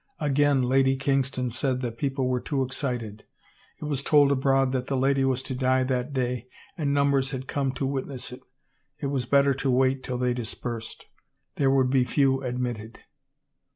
Again, Lady Kings ton said that the people were too excited; it was told abroad that the lady was to die that day and numbers had come to witness it; it was better to wait till they dispersed. There would be few admitted.